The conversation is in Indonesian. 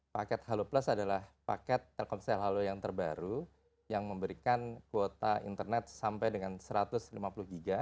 paket halo plus adalah paket telkomsel halo yang terbaru yang memberikan kuota internet sampai dengan rp seratus